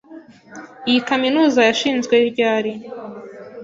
Iyi kaminuza yashinzwe ryari?